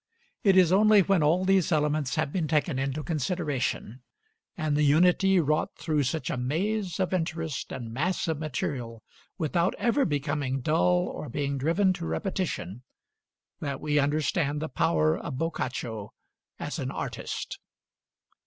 It is only when all these elements have been taken into consideration, and the unity wrought through such a maze of interest and mass of material without ever becoming dull or being driven to repetition, that we understand the power of Boccaccio as an artist.